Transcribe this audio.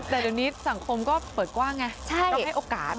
แต่เดี๋ยวนี้สังคมก็เปิดกว้างไงก็ให้โอกาส